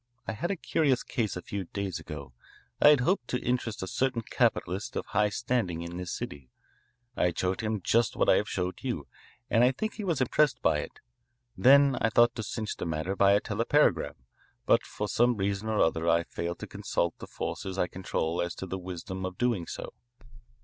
I had a curious case a few days ago. I had hoped to interest a certain capitalist of high standing in this city. I had showed him just what I have showed you, and I think he was impressed by it. Then I thought to clinch the matter by a telepagram, but for some reason or other I failed to consult the forces I control as to the wisdom of doing so.